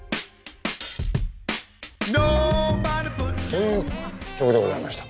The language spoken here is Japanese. という曲でございました。